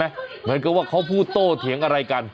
เหมือนกับว่าเขาพูดโต้เถียงอะไรกัน